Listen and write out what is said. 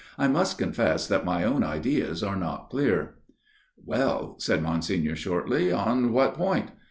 I must confess that my own ideas are not clear." " Well," said Monsignor shortly, " on what point